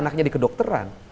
anaknya di kedokteran